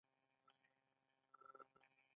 دوی د کارګرانو د اضافي ارزښت یوه برخه اخلي